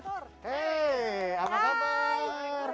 hei apa kabar